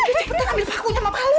kamu cepetan ambil paku sama pak lu